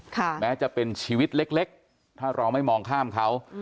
แม้จะเป็นชีวิตเล็กถ้าเราไม่มองข้ามเขา